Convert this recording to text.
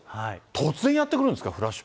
突然やってくるんですか？